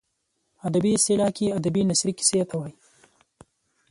ادبي اصطلاح کې ادبي نثري کیسې ته وايي.